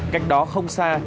cách đó không xa